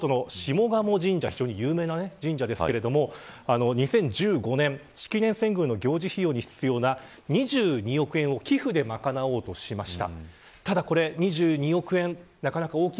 そんな中、下鴨神社京都の有名な場所ですが２０１５年、式年遷宮のため必要な２２億円を寄付で賄おうとしました。